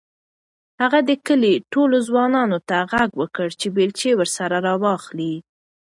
هغه د کلي ټولو ځوانانو ته غږ وکړ چې بیلچې ورسره راواخلي.